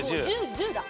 １０だ。